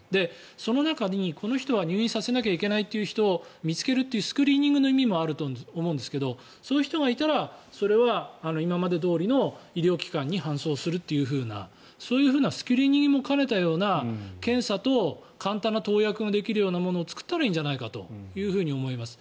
その中に、この人は入院させなきゃいけない人を見つけるというスクリーニングの意味もあると思うんですけどそういう人がいたら、それは今までどおりの医療機関に搬送するというふうな、そういうスクリーニングも兼ねたような検査と簡単な投薬ができるようなものを作ったらいいんじゃないかと思います。